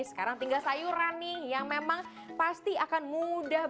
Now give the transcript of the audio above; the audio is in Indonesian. sekarang tinggal sayuran nih yang memang pasti akan mudah